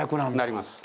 なります。